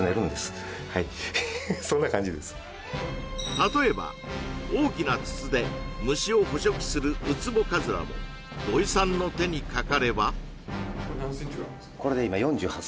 たとえば大きな筒で虫を捕食するウツボカズラも土居さんの手にかかればこれ何センチぐらいあるんですか？